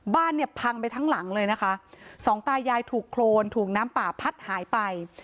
บ้านเนี่ยพังไปทั้งหลังเลยนะคะสองตายายถูกโครนถูกน้ำป่าพัดหายไป